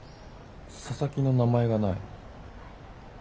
佐々木の名前がない。